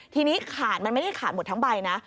ทีนี้ขาดมันไม่ได้ขาดหมดทั้งใบนะ